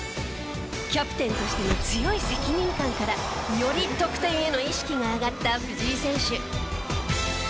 キャプテンとしての強い責任感からより得点への意識が上がった藤井選手。